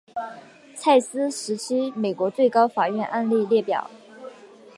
蔡斯时期美国最高法院案例列表